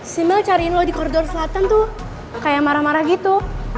si mel cariin lo di koridor selatan tuh kayak marah marah gitu